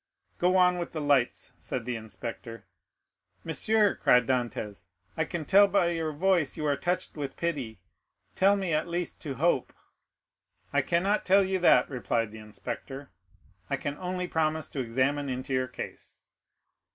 "Go on with the lights," said the inspector. "Monsieur," cried Dantès, "I can tell by your voice you are touched with pity; tell me at least to hope." "I cannot tell you that," replied the inspector; "I can only promise to examine into your case."